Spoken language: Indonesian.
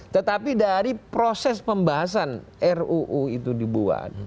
tetapi dari proses pembahasan ruu itu dibuat